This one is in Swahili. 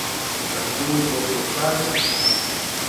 kanunue boflo pale